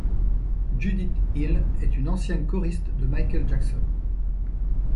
Judith Hill est une ancienne choriste de Michael Jackson.